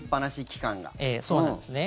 ええ、そうなんですね。